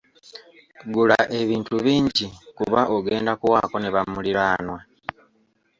Gula ebintu bingi kuba ogenda kuwaako ne bamuliraanwa.